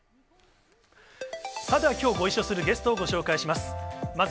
さて、きょうご一緒するゲストをご紹介します。